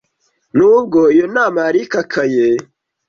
Nubwo iyo nama yari ikakaye,